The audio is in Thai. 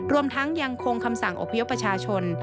รวมทั้งยังคงคำสั่งอพยพประชาชน